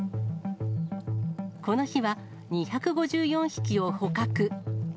この日は、２５４匹を捕獲。